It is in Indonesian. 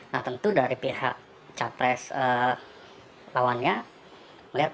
nah tentu dari pihak capres lawannya melihat